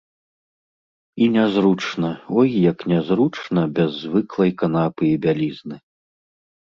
І нязручна, ой як нязручна без звыклай канапы і бялізны!